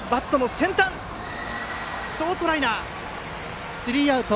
ショートライナーでスリーアウト。